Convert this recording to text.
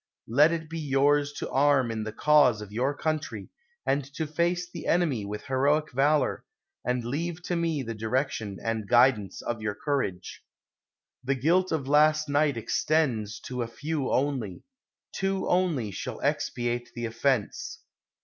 Let it be yours to arm in the cause of your country, and to face the enemy with heroic valor ; and leave to me the direction and guidance of your courage. The guilt of last night extends to a few only; two only shall expiate the offense.